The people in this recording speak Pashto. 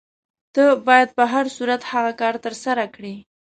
ته باید په هر صورت هغه کار ترسره کړې.